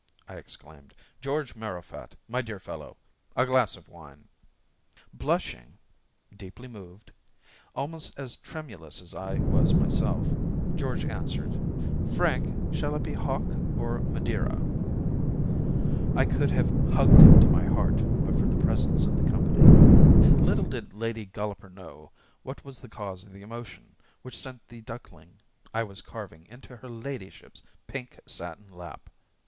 I exclaimed, 'George Marrowfat, my dear fellow! a glass of wine!' Blushing deeply moved almost as tremulous as I was myself, George answered, 'FRANK, SHALL IT BE HOCK OR MADEIRA? I could have hugged him to my heart but for the presence of the company. Little did Lady Golloper know what was the cause of the emotion which sent the duckling I was carving into her ladyship's pink satin lap.